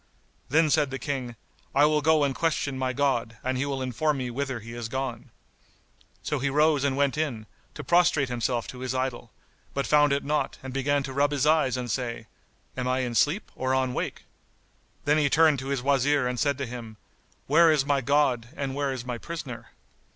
Then said the King, "I will go and question my God, and he will inform me whither he is gone." So he rose and went in, to prostrate himself to his idol, but found it not and began to rub his eyes and say, "Am I in sleep or on wake?" Then he turned to his Wazir and said to him, "Where is my God and where is my prisoner?